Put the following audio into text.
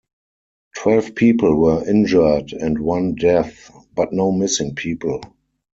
Twelve people were injured and one death, but no missing people.